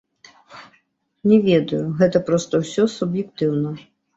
Не ведаю, гэта проста ўсё суб'ектыўна.